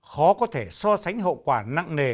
khó có thể so sánh hậu quả nặng nề